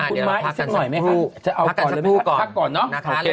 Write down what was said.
คุณม้ายอีกสักหน่อยไหมคะพักก่อนเนอะ